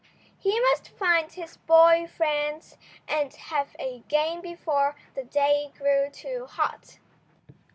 He must find his boy friends and have a game before the day grew too hot.